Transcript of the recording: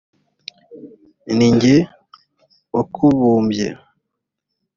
ni jye wakubumbye